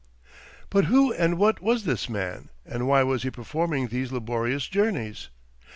But who and what was this man, and why was he performing these laborious journeys?